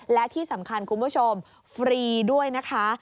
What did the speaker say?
และที่สำคัญคุณผู้ชมฟรีด้วยนะคะ